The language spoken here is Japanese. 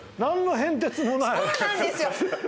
そうなんですよ！